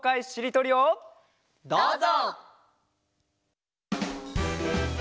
どうぞ！